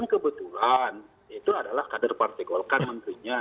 kebetulan itu adalah kader partai golkar menterinya